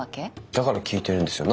だから聞いてるんですよ。